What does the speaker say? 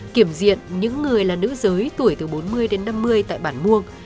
kiểm diện những người là nữ giới tuổi từ bốn mươi đến năm mươi tại bản muông